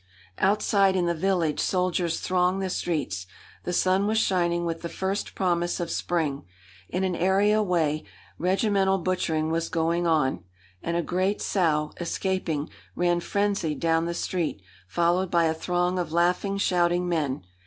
Outside, in the village, soldiers thronged the streets. The sun was shining with the first promise of spring. In an area way regimental butchering was going on, and a great sow, escaping, ran frenzied down the street, followed by a throng of laughing, shouting men.